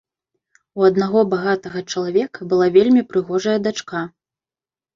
У аднаго багатага чалавека была вельмі прыгожая дачка.